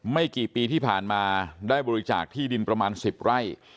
ไม่กี่ปีที่ผ่านมาได้บริจาคที่ดินประมาณ๑๐ไร่